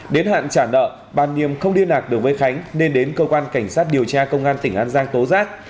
đến hạn trả nợ bà niềm không điên nạc được với khánh nên đến cơ quan cảnh sát điều tra công an tỉnh an giang tố rác